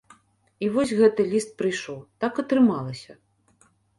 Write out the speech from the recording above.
І вось гэты ліст прыйшоў, так атрымалася.